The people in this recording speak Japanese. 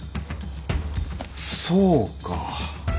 そうか。